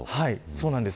そうなんです。